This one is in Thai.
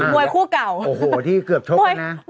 มวยคู่เก่าโอ้โหที่เกือบชกเลยนะ